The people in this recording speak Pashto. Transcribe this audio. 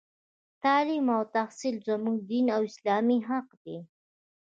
تـعلـيم او تحـصيل زمـوږ دينـي او اسـلامي حـق دى.